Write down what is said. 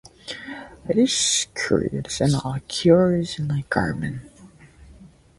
It is created while a button is stitched onto a garment.